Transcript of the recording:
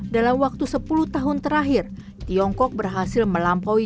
dalam waktu sepuluh tahun terakhir tiongkok berhasil melampaui